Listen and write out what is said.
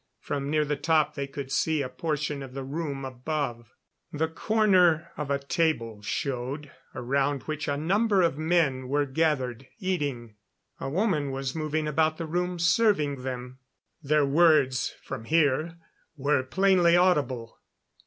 From near the top they could see a portion of the room above. The corner of a table showed, around which a number of men were gathered, eating. A woman was moving about the room serving them. Their words, from here, were plainly audible.